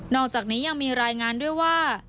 อกจากนี้ยังมีรายงานด้วยว่า